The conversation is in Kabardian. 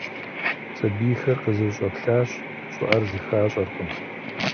Сэбийхэр къызэщӀэплъащ, щӀыӀэр зэхащӀэркъым.